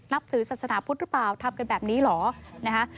นับถือศาสนาพุทธหรือเปล่าทำกันแบบนี้เหรอนะคะ